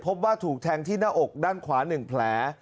พบว่าถูกแทงที่หน้าอกด้านขวา๑แผล